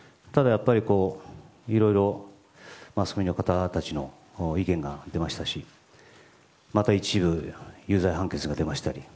やっぱりいろいろマスコミの方たちの意見が出ましたしまた一部、有罪判決が出ましたり